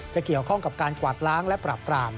จะเกี่ยวข้องกับการกวาดล้างและปรับปราม